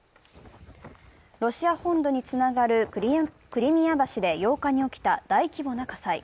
ロシア本土につながるクリミア橋で８日に起きた大規模な火災。